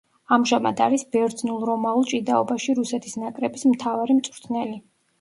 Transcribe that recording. ამჟამად არის ბერძნულ-რომაულ ჭიდაობაში რუსეთის ნაკრების მთავარი მწვრთნელი.